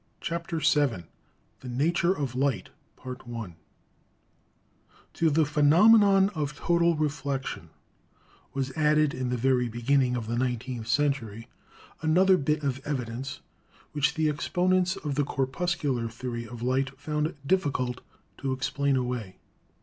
CHAPTER VII THE NATURE OF LIGHT To the phenomenon of total reflection was added in the very beginning of the nineteenth century another bit of evidence which the exponents of the corpuscular theory of light found difficult to explain away.